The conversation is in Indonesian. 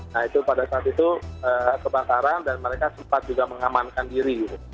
nah itu pada saat itu kebakaran dan mereka sempat juga mengamankan diri